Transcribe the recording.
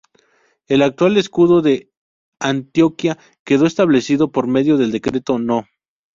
El actual escudo de Antioquia quedó establecido por medio del Decreto No.